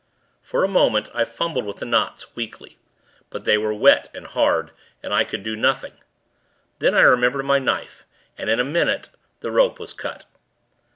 For a moment, I fumbled with the knots, weakly; but they were wet and hard, and I could do nothing. Then, I remembered my knife, and, in a minute, the rope was cut.